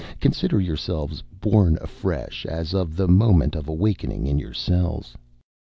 Consider yourselves born afresh as of the moment of awakening in your cells."